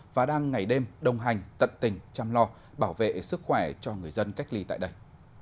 và đang ngày đêm đồng hành tận tình chăm lo bảo vệ sức khỏe cho người dân cách ly tại đây